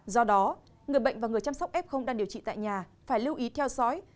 do đó người bệnh và người chăm sóc f đang điều trị tại nhà phải lưu ý theo dõi